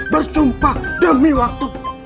bersumpah demi waktu